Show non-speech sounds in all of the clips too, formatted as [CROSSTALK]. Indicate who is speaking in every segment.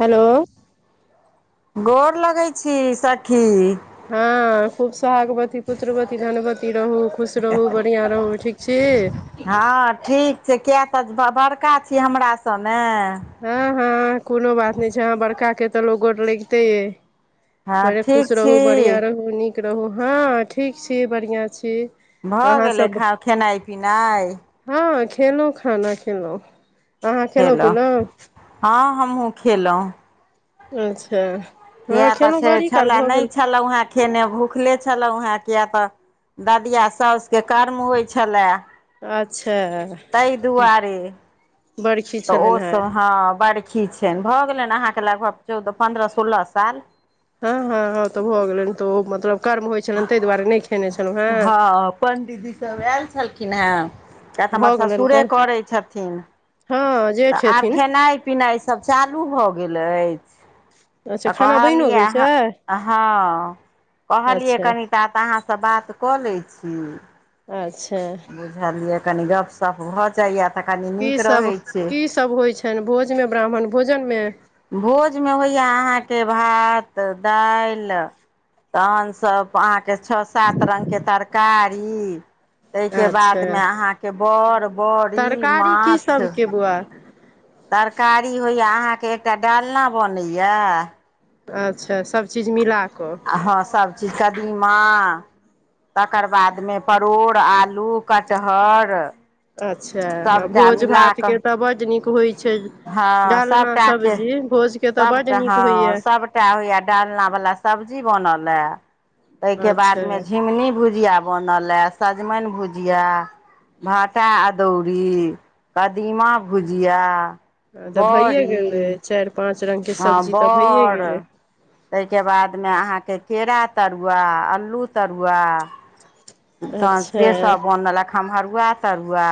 Speaker 1: Hello
Speaker 2: गोर लगै छी सखि
Speaker 1: हँ खूब सोहागवती पुत्रवती धनवती रहू खुश रहू बढ़िआँ रहू ठीक छी
Speaker 2: हँ ठीक छै किया तऽ बड़का छी हमरा सँ ने
Speaker 1: हँ हँ कोनो बात नहि छै अहाँ बड़का के तऽ लोक गोर लगिते यइ
Speaker 2: हँ
Speaker 1: बड़े खुश
Speaker 2: ठीक छी
Speaker 1: रहू बढ़िआँ रहू नीक रहू हँ ठीक छी बढ़िआँ छी
Speaker 2: भऽ गेलै
Speaker 1: अहाँसभ
Speaker 2: खाउ खेनाइ पिनाइ
Speaker 1: हँ खेलहु खाना खेलहुँ अहाँ खेलहुँ पिलहुँ
Speaker 2: हँ हमहूँ खेलौ
Speaker 1: अच्छा
Speaker 2: इए
Speaker 1: हँ खेलहुँ
Speaker 2: तऽ
Speaker 1: बड़ी काल
Speaker 2: छलै
Speaker 1: भऽ
Speaker 2: नहि
Speaker 1: गेल
Speaker 2: छलै वहाँ खेने भुखले छलहुँ हेँ किया तऽ ददिया साउस के कर्म होइ छलए
Speaker 1: अच्छा
Speaker 2: ताहि दुआरे
Speaker 1: बरखी
Speaker 2: तऽ ओ
Speaker 1: छलनि हेँ
Speaker 2: सब हँ बड़खी छनि भऽ गेलनि अहाँके लगभग चौदह पन्द्रह सोलह साल
Speaker 1: हँ हँ हँ तऽ भऽ गेलनि तऽ ओ मतलब कर्म होइत छलनि ताहि दुआरे नहि खेने छलहुँ हँ
Speaker 2: पंडीजी सब आएल छलखिन हँ किए तऽ हमर
Speaker 1: भऽ गेलनि
Speaker 2: ससुरे
Speaker 1: काल्हि
Speaker 2: करै छथिन
Speaker 1: हँ
Speaker 2: तऽ
Speaker 1: जेठ
Speaker 2: आब
Speaker 1: हेथिन
Speaker 2: खेनाय पिनायसभ चालू भऽ गेल अछि
Speaker 1: अच्छा
Speaker 2: तऽ
Speaker 1: खाना बनिओ
Speaker 2: कहलियै
Speaker 1: गेल छै
Speaker 2: अहाँ हँ कहलियै
Speaker 1: अच्छा
Speaker 2: कनि ता तऽ अहाँसँ बात कऽ लै छी
Speaker 1: अच्छा
Speaker 2: बुझलियै कनि गपशप भऽ जाइया तऽ कनी नीक रहैत छै
Speaker 1: ई सब होइ छनि भोज में ब्राह्मण भोजन मे
Speaker 2: भोज मे होइए अहाँके भात दालि तहन सब अहाँके छः सात रंग के तरकारी ताहि के
Speaker 1: अच्छा
Speaker 2: बाद मे अहाँ के बड़ बरी माछ
Speaker 1: आबआ
Speaker 2: तरकारी होइया अहाँ के एकटा डालना बनैया
Speaker 1: अच्छा सबचीज मिला कऽ
Speaker 2: हँ सभचीज कदीमा तकर बादमे परोड़ आलू कटहर
Speaker 1: अच्छा
Speaker 2: सभटा
Speaker 1: भोज
Speaker 2: मिला
Speaker 1: भात
Speaker 2: कऽ
Speaker 1: के तऽ बड्ड नीक होइत छै
Speaker 2: हँ
Speaker 1: डालना
Speaker 2: सभटाके
Speaker 1: सब्जी भोज के तऽ बड्ड
Speaker 2: सभटा
Speaker 1: नीक
Speaker 2: हँ
Speaker 1: होइय
Speaker 2: सभटा होइया डालना वला सब्जी बनल यै ताहिके
Speaker 1: अच्छा
Speaker 2: बादमे झिंगुनी भुजिया बनल हए सजमनि भुजिया भाटा अदौरी कदीमा भुजिया
Speaker 1: ह तऽ भैए गेलै
Speaker 2: बड़ी
Speaker 1: चारि पाँच रंग के सब्जी तऽ भैए गेलै
Speaker 2: तहिके बादमे अहाँके केरा तरुआ अल्लू तरुआ तहन
Speaker 1: अच्छा
Speaker 2: से सब बनलक खम्हरुआ तरुआ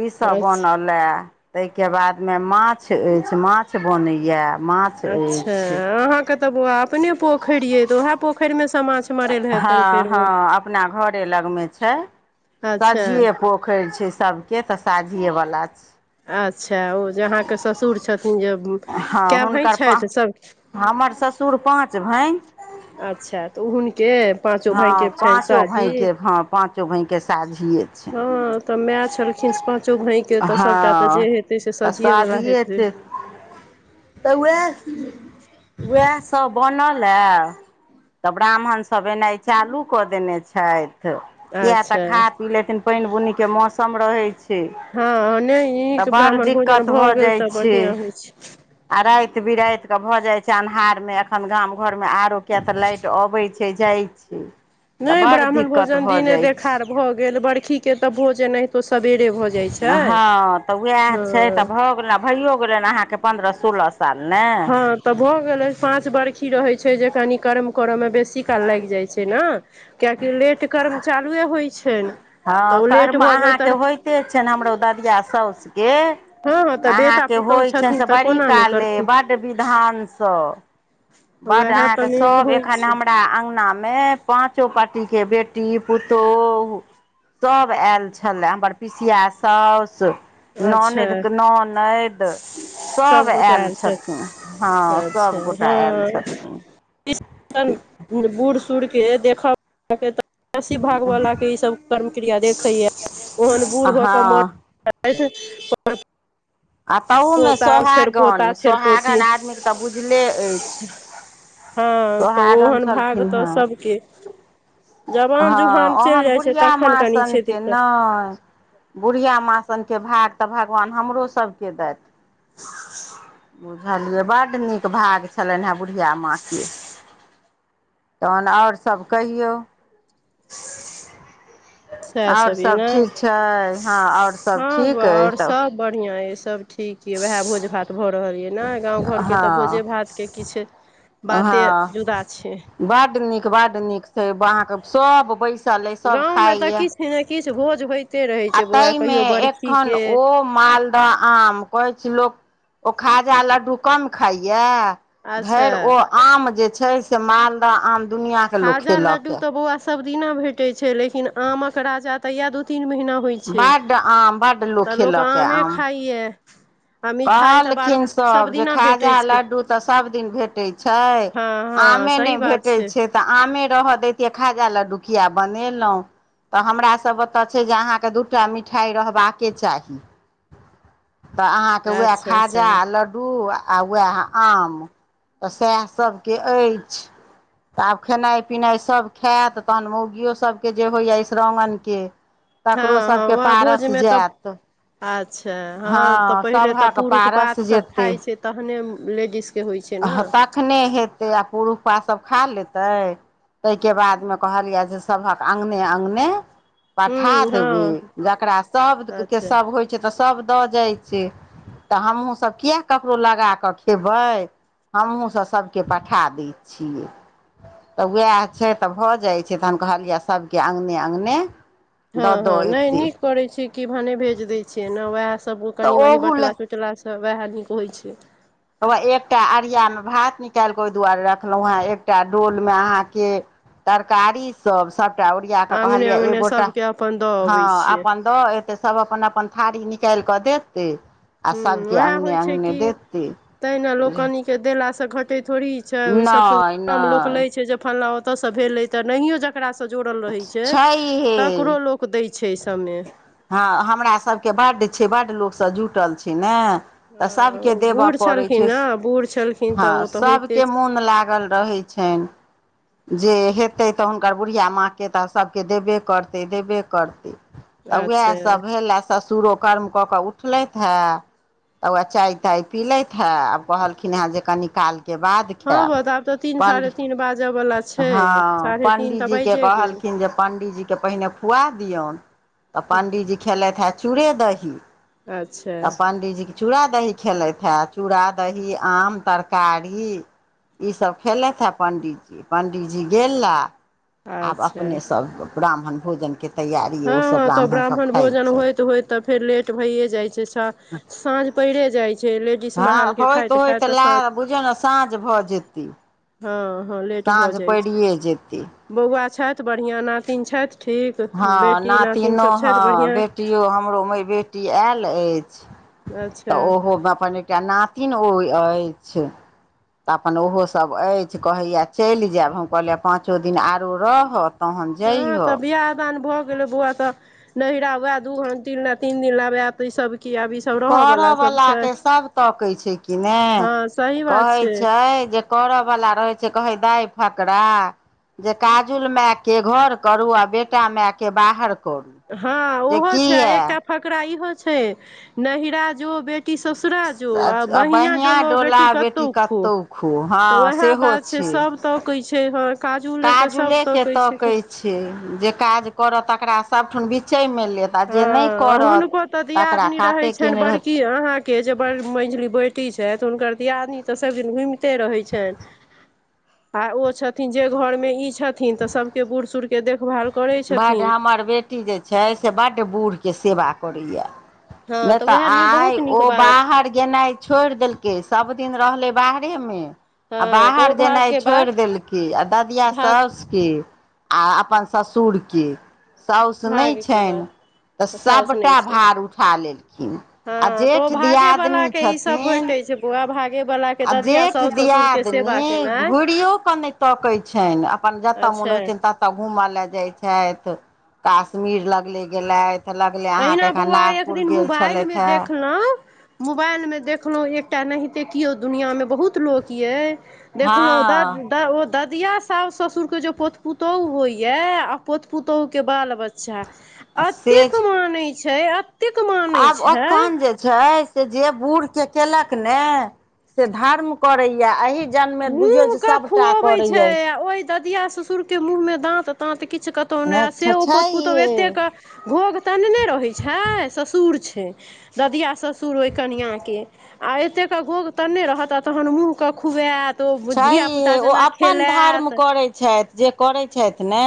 Speaker 2: ई सब
Speaker 1: अच्छा
Speaker 2: बनल तहिके बाद मे माछ अछि माछ बनैये माछ
Speaker 1: अच्छा
Speaker 2: अछि
Speaker 1: अहाँके तऽ बौआ अपने पोखरि यै तऽ उएह पोखरि मे सँ माछ मरल हेतनि
Speaker 2: हँ
Speaker 1: फेर
Speaker 2: हँ
Speaker 1: ओ
Speaker 2: अपना घरे लगमे छै
Speaker 1: अच्छा
Speaker 2: सझियए पोखरि छै सभके तऽ साझिये वला छी
Speaker 1: अच्छा ओ जे अहाँके ससुर छथिन जे
Speaker 2: हँ
Speaker 1: कए भैं
Speaker 2: हुनकर पा
Speaker 1: छथि सभ
Speaker 2: हमर ससुर पाँच भाय
Speaker 1: अच्छा तऽ उ हुनके पाँचो
Speaker 2: हँ
Speaker 1: भायके छनि
Speaker 2: पाँचो
Speaker 1: शादी
Speaker 2: भायके हँ पाँचो भायके साझिये छै
Speaker 1: ओते मायं छलखिन पांचो भाई के ते सबटा ते
Speaker 2: हँ
Speaker 1: जे हेतय से
Speaker 2: तऽ
Speaker 1: सजिये वाला हेते
Speaker 2: साझिए तऽ उए उह सब बनल ह तऽ ब्राह्मण सब एनाइ चालू कऽ देने छथि किया तऽ
Speaker 1: अच्छा
Speaker 2: खा पी लेथिन पानि बुनी के मौसम रहै छै
Speaker 1: हँ नहि
Speaker 2: तऽ
Speaker 1: नीक
Speaker 2: बड़
Speaker 1: ब्राह्मण भोजन
Speaker 2: दिक्कत भऽ
Speaker 1: गेल
Speaker 2: जाइ
Speaker 1: तऽ
Speaker 2: छै
Speaker 1: बढ़िआँ होइ छै
Speaker 2: आ राति बिराति के भऽ जाय छै अन्हार में एखन गाम घर में आरो किया तऽ लाइट तऽ अबैत छै जाइत छै तऽ
Speaker 1: नहि
Speaker 2: बड़
Speaker 1: ब्राह्मण
Speaker 2: दिक्कत
Speaker 1: भोजन
Speaker 2: भऽ
Speaker 1: दिने
Speaker 2: जाइ छै
Speaker 1: देखार भऽ गेल बरखीके तऽ भोजन हितो सबेरे भऽ जाइ छै
Speaker 2: हँ तऽ उएह छै तऽ
Speaker 1: हँ
Speaker 2: भऽ गेल भइयो गेलै अहाँके पन्द्रह सोलह साल ने
Speaker 1: ह तऽ भऽ गेलै पाँच बर्खी रहै छै जे कनी करम करऽ मे बेसी काल लागि जाइ छै ने कियाकि लेट कर्म चालुए होइत छनि तऽ
Speaker 2: हँ
Speaker 1: ओ लेट
Speaker 2: कर्म
Speaker 1: भऽ गेल
Speaker 2: अहाँके
Speaker 1: तऽ
Speaker 2: होइते छै ने हमरो ददिया साउसके
Speaker 1: हँ हँ तऽ बेटा
Speaker 2: अहाँके
Speaker 1: पुतहु
Speaker 2: होइ छै
Speaker 1: छथिन
Speaker 2: से
Speaker 1: तऽ
Speaker 2: बड़ी
Speaker 1: कोना नहि
Speaker 2: काले
Speaker 1: करथिन
Speaker 2: बड्ड विधानसँ बड
Speaker 1: उएह तऽ
Speaker 2: अहाँके
Speaker 1: मेन
Speaker 2: सभ
Speaker 1: होइ
Speaker 2: एखन
Speaker 1: छै
Speaker 2: हमरा अंगनामे पाँचो पाटी के बेटी पुतोह सब आएल छलै हमर पिसिया साउस
Speaker 1: अच्छा
Speaker 2: ननैद के ननैद सब
Speaker 1: सभगोटा
Speaker 2: आयल
Speaker 1: छथि
Speaker 2: छथिन हँ
Speaker 1: अच्छा
Speaker 2: सबगोटा आयल
Speaker 1: हँ
Speaker 2: छथिन
Speaker 1: बूढ़ सूढ़के देखा अहांके तऽ बेसी भागवलाके ई सब कर्म क्रिया देखैए ओहन बूढ़ भऽ कऽ
Speaker 2: हँ
Speaker 1: मरथि [UNINTELLIGIBLE]
Speaker 2: आ तहु मे सोहागन
Speaker 1: पोता छेर पोती
Speaker 2: सोहागन आदमी के तऽ बुझले अछि
Speaker 1: हँ तऽ
Speaker 2: सोहागन
Speaker 1: ओहन भागय
Speaker 2: छलखिन
Speaker 1: तऽ
Speaker 2: हेँ
Speaker 1: सबके जवान
Speaker 2: हँ
Speaker 1: जुहान चलि
Speaker 2: ओहन
Speaker 1: जाइ छै
Speaker 2: बुढ़िया
Speaker 1: तखन
Speaker 2: माँ
Speaker 1: कनि छै
Speaker 2: सनके
Speaker 1: दिक्कत
Speaker 2: नहि बुढ़िया माँसनके भाग तऽ भगवान हमरो सभके देथि बुझलियै बड्ड नीक भाग छलनि हेँ बुढ़िया माँके तहन आओर सभ कहियौ
Speaker 1: सएह
Speaker 2: आओर
Speaker 1: य
Speaker 2: सब
Speaker 1: ने
Speaker 2: ठीक छै हँ आओर सब ठीक अइ सभ
Speaker 1: बढ़िया य सब ठीक यै वएह भोज भात भऽ रहल यै ने गाँव घरके तऽ भोजे
Speaker 2: हँ
Speaker 1: भातके किछ बाते जुदा छै
Speaker 2: बड नीक बड नीक छै अहा के सब बैस
Speaker 1: गाँंव में तऽ किछु ने किछु भोज होइत
Speaker 2: आ ताहिमे एखन ओ माल दह आम कहै छै लोक ओ खाजा लड्डू कम खाइया
Speaker 1: अच्छा
Speaker 2: धैरि ओ आम जे छै से मालदह आम दुनिआँकेँ लोक
Speaker 1: खाजा
Speaker 2: खेलक
Speaker 1: लड्डू
Speaker 2: यए
Speaker 1: तऽ बौआ सब दिना भेटै छै लेकिन आमक राजा तऽ इहे दू तीन महिना होइ छै
Speaker 2: बड्ड आम बड्ड
Speaker 1: तऽ लोक
Speaker 2: खेलक
Speaker 1: आमे
Speaker 2: आम
Speaker 1: खाइया
Speaker 2: कहलखिन सभ जे
Speaker 1: दिना भेटै
Speaker 2: खाजा
Speaker 1: छै
Speaker 2: लड्डू तऽ सभ दिन भेटैत छै
Speaker 1: हँ हँ
Speaker 2: आमे
Speaker 1: सही
Speaker 2: नहि
Speaker 1: बात
Speaker 2: भेटैत छै तऽ आमे रहय दैतियै खाजा लडडू किया बनेलौं तऽ हमरासभ ओतऽ छै जे अहाँके दू टा मिठाइ रहबाके चाही तऽ अहाँके उएह
Speaker 1: अच्छा अच्छा
Speaker 2: खाजा लड्डू आ आ वहै आम तऽ सेहै सभके अछि तऽ आब खेनाइ पिनाइ सब खायत तहन मौगियो सबके जे होइया सगनके [INAUDIBLE]
Speaker 1: हँ हँ वहाँ भोज मे तऽ अच्छा हँ तऽ प पहिने त
Speaker 2: सभक
Speaker 1: पूरुख
Speaker 2: पारस
Speaker 1: पाथ सब
Speaker 2: जेतै
Speaker 1: खाय छै तहने लेडीज़
Speaker 2: तखने हेतै आ पुरुषपा सभ खा लेतै ताहिके बादमे कहलिए यै जे सभक अंगने अंगने पठा
Speaker 1: हूँ हँ
Speaker 2: देबै जकरा सब के
Speaker 1: अच्छा
Speaker 2: सब होय छै तऽ सभ दऽ जाय छै तऽ हमहुँ सब किया ककड़ो लगा कऽ खेबै हमहूँसभ सभके पठा दैत छियै तऽ वएह छै तऽ भऽ जाइत छै तऽ हम कहलियै सभके अङ्गने अङ्गने
Speaker 1: हँ
Speaker 2: दऽ दऽ
Speaker 1: हँ नहि
Speaker 2: एतै
Speaker 1: नीक करैत छी कि भने भेज दै छियै ने उएहसभ कनि
Speaker 2: तऽ
Speaker 1: मनी
Speaker 2: ओहू
Speaker 1: बचला
Speaker 2: लए
Speaker 1: केलासँ वएह नीक होइ छै
Speaker 2: हउयै एकटा अरियामे भात निकालि कऽ ओहि दुआरे रखलहुँ है एकटा डोल मे अहाँके तरकारी सब सभटा ओरिया कऽ
Speaker 1: अङ्गने
Speaker 2: कहलियै
Speaker 1: अङ्गने
Speaker 2: एगोटा
Speaker 1: सभके अपन दऽ
Speaker 2: हँ
Speaker 1: अबै छियै
Speaker 2: अपन दऽ एतै सभ अपन अपन थारी निकालि कऽ देते आ
Speaker 1: हूँ
Speaker 2: सभके
Speaker 1: उएह
Speaker 2: अगंने
Speaker 1: होइ छै
Speaker 2: अगंने
Speaker 1: कि
Speaker 2: देत
Speaker 1: तहिना लोक कनिके देलासँ घटैत थोड़ी छै ओहि सभसँ
Speaker 2: नहि
Speaker 1: कम लोक
Speaker 2: नहि
Speaker 1: लै छै जे फलला ओतयसँ भेलै तऽ नहियो जकरासँ जोड़ल रहै छै
Speaker 2: छैहे
Speaker 1: तकरो लोक। रूक दै छै सभमे
Speaker 2: हँ हमरा सभके बड्ड छै बड्ड लोकसभ जुटल छै ने तऽ
Speaker 1: हँ
Speaker 2: सभके
Speaker 1: ओ
Speaker 2: देबय
Speaker 1: बूढ़
Speaker 2: पड़ैत
Speaker 1: छलखिन
Speaker 2: छै
Speaker 1: ने बूढ़ छलखिन
Speaker 2: हँ
Speaker 1: तऽ ओ तऽ होइते
Speaker 2: सभके
Speaker 1: छै।
Speaker 2: मोन लागल रहैत छनि जे हेतै तऽ हुनकर बुढ़िया माँ के तऽ सभके देबे करतै देबे करतै तऽ
Speaker 1: अच्छा
Speaker 2: उएहसभ भेलए ससुरो कर्म कऽ कऽ उठलथि है तऽ वै चाय ताय पिलथि ह‌ए आब कहलखिन ह‌ए जे कनी काल के बाद
Speaker 1: हँ
Speaker 2: खायब
Speaker 1: हा आब तऽ तीन
Speaker 2: पण्डी
Speaker 1: साढ़े तीन बाजऽ वाला छैय
Speaker 2: हँ पंडीत जी के कहलखिन जे पंडित जी के पहिने खुआ दियौन त पंडि जी खेलथि हँ चूड़े दही
Speaker 1: अच्छा
Speaker 2: तऽ पंडीजी के चूड़ा दही खेलैत ह चूड़ा दही आम तरकारी ईसभ खेलथि हे पण्डित पंडीजी गेला आब
Speaker 1: अच्छा
Speaker 2: अपने सब ब्राह्मण भोजन क तैयारी
Speaker 1: हँ
Speaker 2: ओसभ
Speaker 1: हँ तऽ
Speaker 2: ब्राह्मण सब खाइत
Speaker 1: भोजन
Speaker 2: छै
Speaker 1: होइत होइत तऽ फेर लेट भइए जाइ छै साँझ परे जाइ छै लेडीज महालके खाइत खाइत तऽ साँझ
Speaker 2: बुझौ ने साँझ भऽ जेतै
Speaker 1: हँ हँ लेट भऽ
Speaker 2: साँझ
Speaker 1: जाइ छै
Speaker 2: परड़िये जेतै
Speaker 1: बौआ छथि बढ़िया नातिन छथि ठीक
Speaker 2: हँ
Speaker 1: बेटी नातिन
Speaker 2: नातिनो
Speaker 1: सब छथि
Speaker 2: हँ
Speaker 1: बढ़िआँ
Speaker 2: बेटियो हमरो माय बेटी आयल अछि
Speaker 1: अच्छा
Speaker 2: तऽ ओहो अपन एकटा नातिन ओ अछि तऽ अपन ओहोसभ अछि कहैया चलि जायब हम कहलियै पाँचो दिन आरो रहत
Speaker 1: हँ तऽ बियाह दान भऽ गेल गेलै बौआ तऽ नैहरा हुए दू ती तीन दिन ला ऐब आब ई सब की आब ई सब रहय वला सब
Speaker 2: करऽवला
Speaker 1: छै
Speaker 2: के सब तकै छै कि ने
Speaker 1: हँ सही बात
Speaker 2: कहै छै जे करऽ बला रहै छै कहे दाय फकरा जे काजुल मायके घर करू आ बेटा मायके बाहर करू
Speaker 1: हँ
Speaker 2: जे
Speaker 1: ओहो छै आ
Speaker 2: किया
Speaker 1: एकटा फकरा इहो छै नैहरा जो बे बेटी ससुरा जो आ बहिंआँ
Speaker 2: बढ़िआँ
Speaker 1: डोलो
Speaker 2: डोला
Speaker 1: बेटी कतहु खो
Speaker 2: खो हँ
Speaker 1: तऽ वएह
Speaker 2: सेहो
Speaker 1: बात छै सब तकै छै हँ काजूलऽकेऽ सब तकै छै
Speaker 2: छी जे काज करत तकरा सबठाम बिचैमे लेत त जे नहि
Speaker 1: हँ
Speaker 2: करत
Speaker 1: हुनको तऽ
Speaker 2: तकरा काते केने रहत
Speaker 1: के जे बड़ मझली बेटी छथि हुनकर दियादनी तऽ सभदिन घुमिते रहै छनि आ ओ छथिन जे घरमे ई छथिन तऽ सभके बूढ़ सूढ़के देखभाल करै
Speaker 2: बड्ड
Speaker 1: छथिन
Speaker 2: हमर बेटी जे छै से बड्ड बूढ़के सेवा करैए
Speaker 1: हँ
Speaker 2: नइ तऽ
Speaker 1: उएह नीक
Speaker 2: आइ
Speaker 1: बहुत नीक
Speaker 2: ओ
Speaker 1: बात
Speaker 2: बाहर गेनाइ छोड़ि देल के सब दिन रहलै बाहरे मे
Speaker 1: हँ
Speaker 2: आ
Speaker 1: तऽ
Speaker 2: बाहर
Speaker 1: ओ
Speaker 2: जेनाइ
Speaker 1: भागके
Speaker 2: छोड़ि
Speaker 1: बात
Speaker 2: देलकी आ ददिया
Speaker 1: भाग
Speaker 2: साउस की आ अपन ससु सुरके साउस नहि
Speaker 1: भागके
Speaker 2: छनि
Speaker 1: बात
Speaker 2: तऽ
Speaker 1: साउस नहि
Speaker 2: सबटा
Speaker 1: छै
Speaker 2: भार उठा लेलखिन
Speaker 1: हँ
Speaker 2: आ
Speaker 1: तऽ
Speaker 2: जेठ दियादिनी छथिन
Speaker 1: उहै भाग
Speaker 2: आ जेठ दियादिन
Speaker 1: केनाइ
Speaker 2: घुरियो केऽ नहि तकैत छनि अपन जतय मोन
Speaker 1: अच्छा
Speaker 2: होइत छनि तत त घूमऽ ले जाय छथि कश्मीर लगले गेलैथ
Speaker 1: अहिना बौआ एक दिन मोबाइलमे
Speaker 2: छलथि हेँ
Speaker 1: देखलौं मोबाइलमे देखलहुँ एकटा एहिते किओ दुनिआँमे बहुत लोक अय देखनौ
Speaker 2: हँ
Speaker 1: ददऽ तऽ ओ ददिया साउस ससुर के जे पोत पुतोहु होइया आ पोत पुतोहु के बाल बच्चा अच्छा
Speaker 2: से
Speaker 1: एतेक
Speaker 2: छै
Speaker 1: मानैत छै एतेक मानै
Speaker 2: आब
Speaker 1: छै
Speaker 2: ओखन जे छै से जे बूढ़ के केलक ने से धर्म करैया एहि बूझयौ
Speaker 1: मुँह
Speaker 2: जे सभटा
Speaker 1: खुअबै छै
Speaker 2: करैए
Speaker 1: आ ओहि ददिया ससुर के मुँह मे दांत तांत किछु कतौ नहि आ से ओ
Speaker 2: छै
Speaker 1: पुतो तोह ओ तऽ
Speaker 2: हे
Speaker 1: एतेक भोग तनने रहैत छै ससुर छै दधआ ससुर अइ कनिआँके आ एतेकके गोग तऽ नहि रहत आ तखन मूँहकेँ खुआएत ओ
Speaker 2: छैे हे
Speaker 1: धियापुता
Speaker 2: ओ
Speaker 1: जेना
Speaker 2: अपन धर्म
Speaker 1: खेलाएत
Speaker 2: करैत छथि जे करैत छथि ने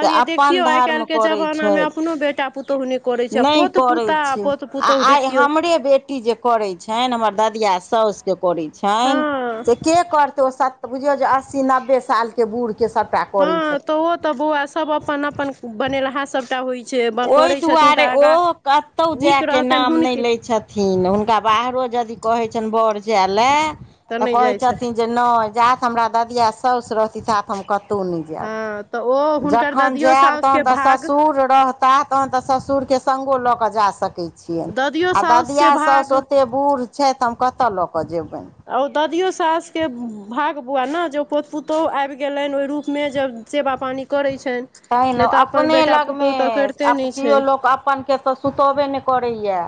Speaker 2: से अपन
Speaker 1: देखियौ आइ
Speaker 2: धर्म
Speaker 1: काल्हिके जमानामे अपनो बेटा पुतहुने
Speaker 2: नइ करै छै आ आइ
Speaker 1: देखियौ
Speaker 2: हमरे बेट टी जे करै छनि हमर ददिया साउसके करै छनि
Speaker 1: हँ
Speaker 2: से के करतै ओ सत तऽ बुझियौ जे अस्सी नब्बे सालके बूढ़के सब
Speaker 1: हँ तो ओ तऽ बौआ सब अपन अपन बनेलहा सबटा होइ छै
Speaker 2: ओहि
Speaker 1: करैत छथिन तऽ
Speaker 2: दुआरे ओ
Speaker 1: आगाँ
Speaker 2: कतहु
Speaker 1: नीक
Speaker 2: जायके
Speaker 1: रहतनि
Speaker 2: नाम नहि
Speaker 1: हुनके
Speaker 2: लैत छ थिन हुनका बाहरो यदि कहै छियनि बर जाय लए तऽ
Speaker 1: नहि
Speaker 2: कहै
Speaker 1: जाइ छै
Speaker 2: छथिन जे नहि जात हमरा ददिया साउस तिथापि हम कतौ नइ जाएब
Speaker 1: हँ तऽ ओ हुनकर
Speaker 2: जखन
Speaker 1: ददियो
Speaker 2: जायब
Speaker 1: साउसके
Speaker 2: तहन तऽ
Speaker 1: भाग
Speaker 2: ससुर रह ता तहन तऽ ससुरके संगो लऽ कऽ जा सकै छियनि
Speaker 1: ददियो
Speaker 2: आ ददिया
Speaker 1: साउसके
Speaker 2: साउस
Speaker 1: भाग
Speaker 2: ओते बूढ़ छै तऽ हम कतऽ लऽ कऽ जेबनि
Speaker 1: आ ओ दऽ दियौ सासके भाग बौआ ने जे पोत पुतहु आबि गेलनि ओहि रूपमे जब सेवा पानी करैत छनि
Speaker 2: त ने
Speaker 1: नहि तऽ अपन
Speaker 2: अपने
Speaker 1: बेटा
Speaker 2: लगमे
Speaker 1: पुतहु तऽ करिते
Speaker 2: आ
Speaker 1: नहि छै
Speaker 2: केओ लोक अपन के तऽ सुतैबे नहि करैया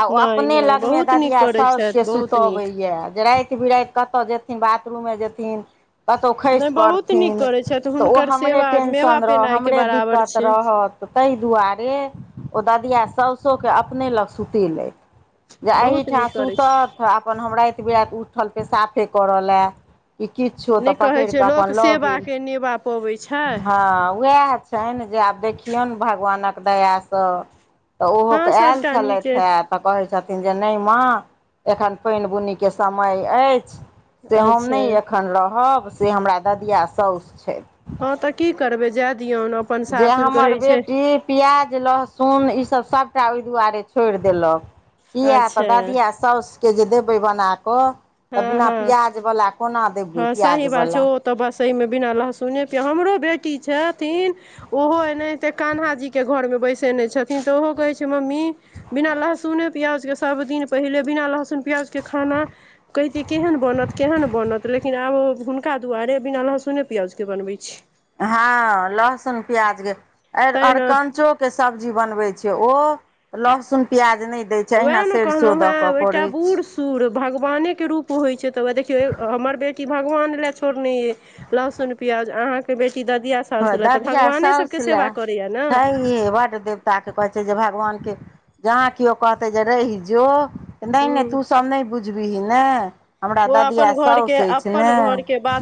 Speaker 2: आ ओ
Speaker 1: नहि
Speaker 2: अपने
Speaker 1: नहि
Speaker 2: लगमे
Speaker 1: बहुत नीक
Speaker 2: ददिया
Speaker 1: करै
Speaker 2: सउसके
Speaker 1: छथि बहुत नीक
Speaker 2: सुतबैए जे राति बिराति कतऽ जेथिन बाथरूमे जेथिन कतौ
Speaker 1: नहि
Speaker 2: खसि
Speaker 1: बहुत नीक
Speaker 2: पड़थिन
Speaker 1: करै छथि
Speaker 2: तऽ ओ
Speaker 1: हुनकर
Speaker 2: हमरे
Speaker 1: सेवा मेवा
Speaker 2: टेंशन रह
Speaker 1: पेनाइके
Speaker 2: हमरे
Speaker 1: बराबर
Speaker 2: दिक्कत
Speaker 1: छै
Speaker 2: रह रहत ताहि दुआरे ओ ददिया सउसो के अपने लग सुतेलथि जे
Speaker 1: बहुत
Speaker 2: एहिठाँ
Speaker 1: नीक करै छै
Speaker 2: सुतत अपन हम राति बिराति उठल पे साफे करय लए कि किछु तऽ पकड़ कऽ अपन लऽ गेल
Speaker 1: खुआबै छै
Speaker 2: हँ उएह छनि जे आब देखियौन भगवानक दयासँ तऽ
Speaker 1: हँ
Speaker 2: ओहोके आयल
Speaker 1: सभटा
Speaker 2: छलथि
Speaker 1: नीके
Speaker 2: हे तऽ कहै छथिन जे नइ माँ एखन पानि बुनीके समय अछि से हम
Speaker 1: अच्छा
Speaker 2: नइ एखन रहब से हमरा ददिया साउस छथि
Speaker 1: हँ तऽ की करबै जाए दियौन अपन
Speaker 2: जे
Speaker 1: सासुर
Speaker 2: हमर
Speaker 1: कहै छै
Speaker 2: बेटी पियाज लहसुन इसब सबटा ओइ दुआरे छोड़ि देलक किया तऽ
Speaker 1: अच्छा
Speaker 2: ददिया साउसके जे देबै बनाकऽ तऽ
Speaker 1: हँ
Speaker 2: बिना
Speaker 1: हँ
Speaker 2: पियाजवाला कोना देबै?
Speaker 1: हँ सही बात छै
Speaker 2: पियाजवाला।
Speaker 1: ओ तऽ बस, एहिमे बिना लहसुनके हमरहुँ बेटी छथिन। ओहो एनाहिते कान्हाजीके घरमे बैसै ने छथिन, तऽ ओहो कहै छै, मम्मी। बिना लहसुन पियाजके सभदिन पहिने बिना लहसुन पियाजके खाना। कहितियै, केहन बनत, केहन बनत? लेकिन आब हुनका दुआरे बिना लहसुन पियाजके बनबै छी।
Speaker 2: हँ, लहसुन पियाज आओर
Speaker 1: तैं ने
Speaker 2: अरकञचो। जे सब्जी बनबैत छै, ओ लहसुन पियाज नहि दै छै। तहिना सरिसो दऽ कऽ करै छै।
Speaker 1: सूर भगवानेके रूप होइ छै तऽ देखियौ हमर बेटी। भगवान लेल छोड़ने अछि लहसुन पियाज, अहाँके बेटी दादिया।
Speaker 2: हँ दादिया सस लए
Speaker 1: ने
Speaker 2: छै। बट दे ऊ तऽ कहै छै जे भगवानकेँ जहाँ केओ कहतै, रहि जाउ। तऽ नहि नहि,
Speaker 1: हूँ
Speaker 2: तू सभ नहि बुझबहिँ ने। हमरा
Speaker 1: ओ
Speaker 2: ददा
Speaker 1: अपन
Speaker 2: साउस
Speaker 1: घरके
Speaker 2: छथि
Speaker 1: अपन
Speaker 2: ने।
Speaker 1: घरके बात